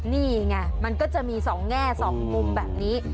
นี่ไงมันก็จะมี๒แง่๒มุมแบบนี้